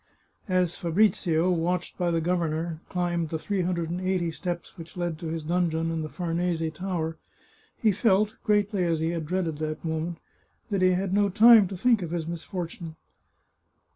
As Fabrizio, watched by the governor, climbed the three hundred and eighty steps which led to his dungeon in the Farnese Tower he felt, greatly as he had dreaded that moment, that he had no time to think of his misfortune.